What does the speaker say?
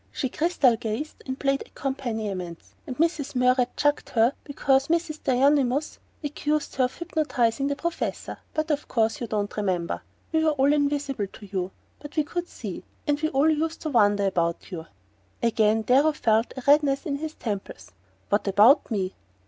She crystal gazed, and played accompaniments, and Mrs. Murrett chucked her because Mrs. Didymus accused her of hypnotizing the Professor. But of course you don't remember. We were all invisible to you; but we could see. And we all used to wonder about you " Again Darrow felt a redness in the temples. "What about me?"